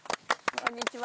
こんにちは。